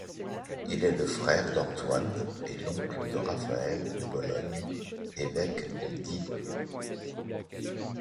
Il est le frère d'Antoine et l'oncle de Raphaël de Bologne, évêques de Digne.